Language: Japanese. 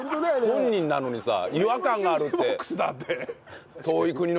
本人なのにさ「違和感がある」って。